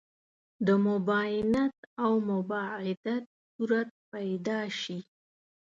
د مباینت او مباعدت صورت پیدا شي.